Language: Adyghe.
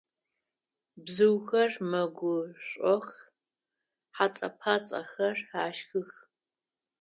Бзыухэр мэгушӏох, хьэцӏэ-пӏацӏэхэр ашхых.